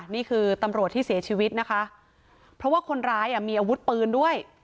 นี่คือตำรวจที่เสียชีวิตนะคะเพราะว่าคนร้ายมีอาวุธปืนด้วย